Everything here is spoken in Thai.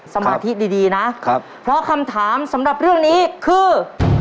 สมาธิดีนะครับเพราะคำถามสำหรับเรื่องนี้คือ